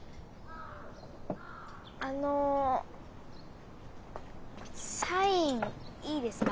あのサインいいですか？